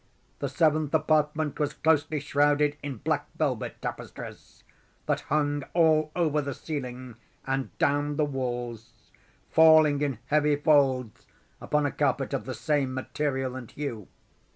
The seventh apartment was closely shrouded in black velvet tapestries that hung all over the ceiling and down the walls, falling in heavy folds upon a carpet of the same material and hue.